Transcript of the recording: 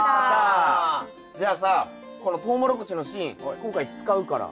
じゃあさこのトウモロコシの芯今回使うから。